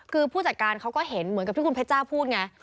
คือผู้จัดการเขาก็เห็นเหมือนกับที่คุณเพชจ้าพูดไง